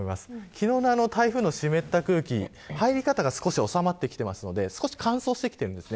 昨日の台風の湿った空気入り方が収まってきていて少し乾燥しています。